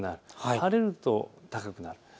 晴れると高くなる。